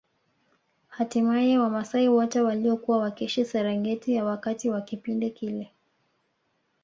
Hatimaye wamaasai wote waliokuwa wakiishi Serengeti ya wakati wa kipindi kile